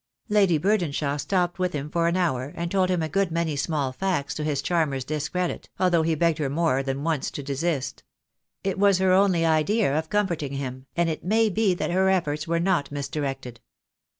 Lady Burdenshaw stopped with him for an hour, and told him a good many small facts to his charmer's dis credit, although he begged her more than once to desist. It was her only idea of comforting him, and it may be that her efforts were not misdirected.